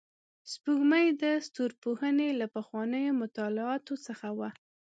سپوږمۍ د ستورپوهنې له پخوانیو مطالعاتو څخه وه